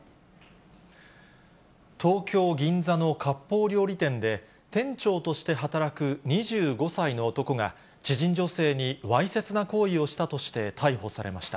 東京・銀座のかっぽう料理店で、店長として働く２５歳の男が、知人女性にわいせつな行為をしたとして逮捕されました。